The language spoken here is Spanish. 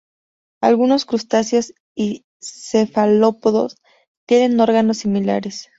Algunos crustáceos y cefalópodos tienen órganos similares.